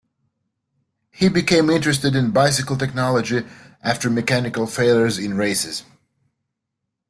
He became interested in bicycle technology after mechanical failures in races.